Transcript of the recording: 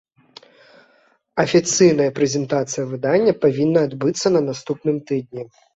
Афіцыйная прэзентацыя выдання павінна адбыцца на наступным тыдні.